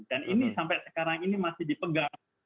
dan ini sampai sekarang ini masih dipegang